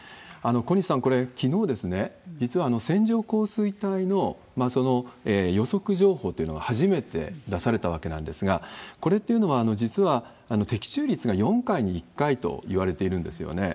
小西さん、これ、きのう、実は線状降水帯の予測情報というのが初めて出されたわけなんですが、これっていうのは、実は的中率が４回に１回といわれているんですよね。